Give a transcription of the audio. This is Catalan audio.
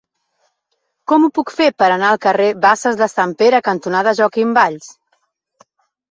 Com ho puc fer per anar al carrer Basses de Sant Pere cantonada Joaquim Valls?